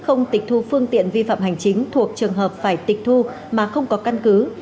hãy thu phương tiện vi phạm hành chính thuộc trường hợp phải tịch thu mà không có căn cứ